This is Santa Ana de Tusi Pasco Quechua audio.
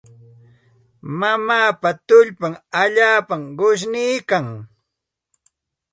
Mamaapa tullpan allaapa qushniikan.